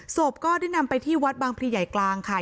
ศพก็ได้นำไปที่วัดบางพลีใหญ่กลางค่ะ